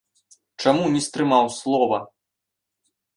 Чаму не стрымаў слова?